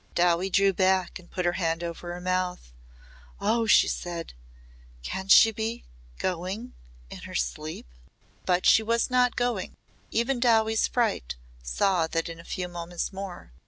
Dowie drew back and put her hand over her mouth. "Oh!" she said "Can she be going in her sleep?" But she was not going. Even Dowie's fright saw that in a few moments more.